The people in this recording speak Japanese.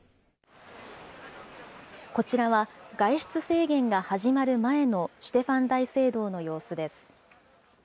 こちらは、外出制限が始まる前のシュテファン大聖堂の様子です。